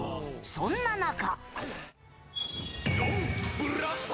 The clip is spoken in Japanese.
そんな中。